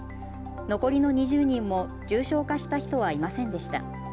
残りの２０人も重症化した人はいませんでした。